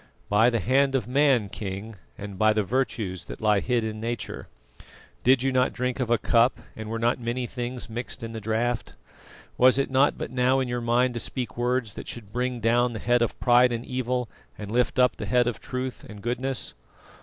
"By the hand of man, King, and by the virtues that lie hid in Nature. Did you not drink of a cup, and were not many things mixed in the draught? Was it not but now in your mind to speak words that should bring down the head of pride and evil, and lift up the head of truth and goodness?"